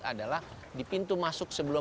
adalah di pintu masuk sebelum